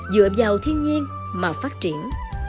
dựa vào thiên nhiên mà phát triển